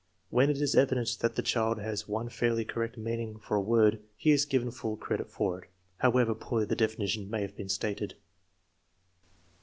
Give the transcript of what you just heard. When it is evident that the child has one fairly correct meaning for a word, he Is given full TEST NO. VHI, G 227 credit for it, however poorly the definition may have Tbeen stated.